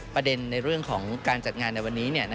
ในเรื่องของการจัดงานในวันนี้